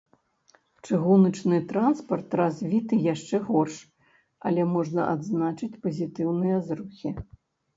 Чыгуначны транспарт развіты яшчэ горш, але можна адзначыць пазітыўныя зрухі.